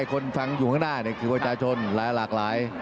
งั้นถึงว่าคนช่างอยู่ข้างหน้านี่คือบัตรชนหลาย